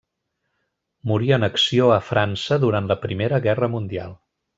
Morí en acció a França durant la Primera Guerra Mundial.